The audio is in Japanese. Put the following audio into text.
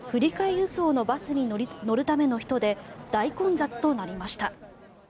輸送のバスに乗るための人で大混雑となりました。